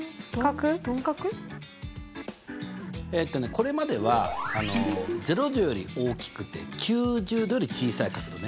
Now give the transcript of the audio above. これまでは０°より大きくて９０°より小さい角度ね。